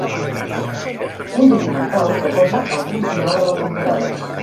Un documental que posa el punt final a la temporada.